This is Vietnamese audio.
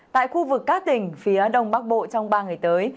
tại khu vực các tỉnh phía đông bắc bộ trong ba ngày tới